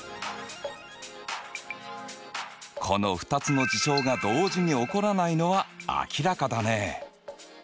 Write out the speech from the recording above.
この２つの事象が同時に起こらないのは明らかだね！